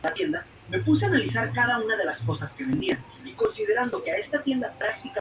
La ceremonia fue presidida por el Juez del Estado Civil, licenciado Florencio Herrera.